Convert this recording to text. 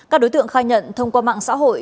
các đối tượng khai nhận thông qua mạng xã hội